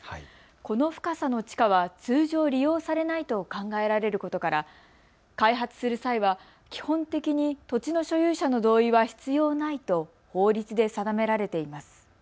この深さの地下は通常利用されないと考えられることから開発する際は基本的に土地の所有者の同意は必要ないと法律で定められています。